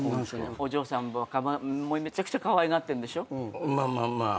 お嬢さんをめちゃくちゃかわいがってるんでしょ？